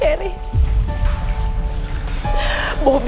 tapi musuh aku bobby